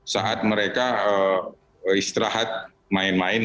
saat mereka istirahat main main